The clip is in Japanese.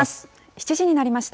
７時になりました。